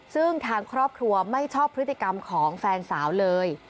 ซึ่งทางครอบครัวไม่ชอบพฤติกรรมของแฟนสาวเลย